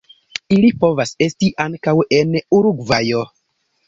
Ili povas esti ankaŭ en Urugvajo.